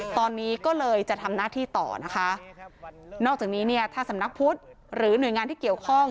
ตอนนี้ก็เลยจะทำหน้าที่ต่อนะคะนอกจากนี้เนี่ยถ้าสำนักพุทธหรือหน่วยงานที่เกี่ยวข้อง